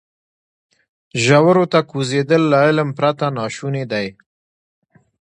ژورو ته کوزېدل له علم پرته ناشونی دی.